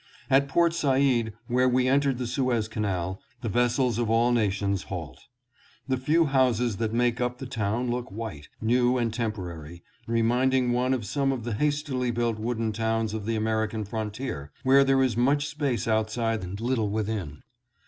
At Port Said, where we entered the Suez Canal, the vessels of all nations halt. The few houses that make 704 PORT SAID AND THE SUEZ CANAL. up the town look white, new and temporary, reminding one of some of the hastily built wooden towns of the American frontier, where there is much space outside and little within.